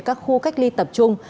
các khu cách ly tập trung